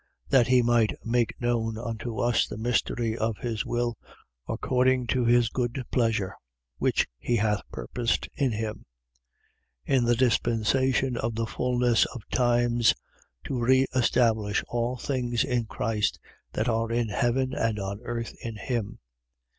That he might make known unto us the mystery of his will, according to his good pleasure, which he hath purposed in him, 1:10. In the dispensation of the fulness of times, to re establish all things in Christ, that are in heaven and on earth, in him.